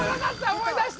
思い出した！